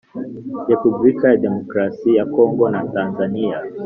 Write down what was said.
Repubulika ya Demokarasi ya Congo na Tanzania